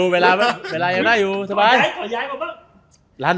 เวลานี้อยู่ต่อบ้าง